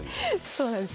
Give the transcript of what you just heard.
そうなんです。